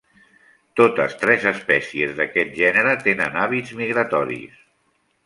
Totes tres espècies d'aquest gènere tenen hàbits migratoris.